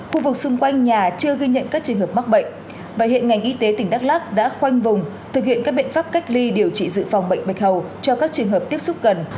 khu vực xung quanh nhà chưa ghi nhận các trường hợp mắc bệnh và hiện ngành y tế tỉnh đắk lắc đã khoanh vùng thực hiện các biện pháp cách ly điều trị dự phòng bệnh bạch hầu cho các trường hợp tiếp xúc gần